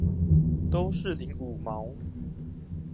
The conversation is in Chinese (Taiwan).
都是領五毛